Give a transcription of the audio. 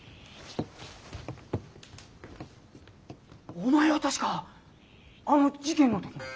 お前は確かあの事件の時の。